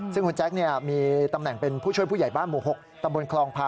ซึ่งคุณแจ๊คมีตำแหน่งเป็นผู้ช่วยผู้ใหญ่บ้านหมู่๖ตำบลคลองพา